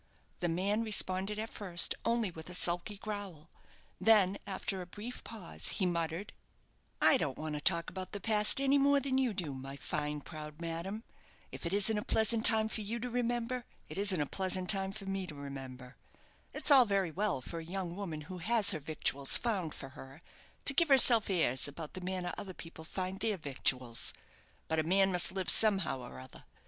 The man responded at first only with a sulky growl. Then, after a brief pause, he muttered "I don't want to talk about the past any more than you do, my fine, proud madam. If it isn't a pleasant time for you to remember, it isn't a pleasant time for me to remember. It's all very well for a young woman who has her victuals found for her to give herself airs about the manner other people find their victuals; but a man must live somehow or other.